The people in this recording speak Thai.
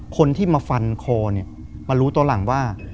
คนที่มาฟันคอเนี่ยมารู้ตัวหลังว่า